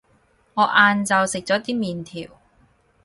我晏晝食咗啲麵條